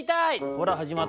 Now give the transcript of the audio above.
「ほらはじまった」。